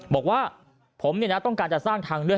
บอกว่าผมต้องการจะสร้างทางเลือก